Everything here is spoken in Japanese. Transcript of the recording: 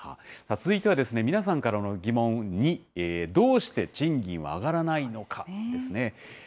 続いては皆さんからの疑問に、どうして賃金は上がらないのかですね。